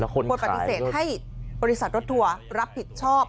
ควรปฏิเสธให้บริษัทรถทัวร์รับผิดชอบ